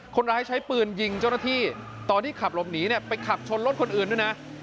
คนร้ายใช้ปืนยิงเจ้าหน้าที่ตอนที่ขับหลบหนีเนี่ยไปขับชนรถคนอื่นด้วยนะ